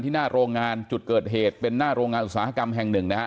หน้าโรงงานจุดเกิดเหตุเป็นหน้าโรงงานอุตสาหกรรมแห่งหนึ่งนะฮะ